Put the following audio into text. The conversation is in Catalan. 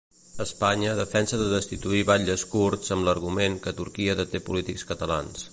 Espanya defensa de destituir batlles kurds amb l'argument que Turquia deté polítics catalans.